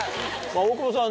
大久保さん